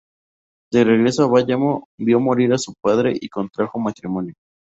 De regreso en Bayamo, vio morir a su padre y contrajo matrimonio.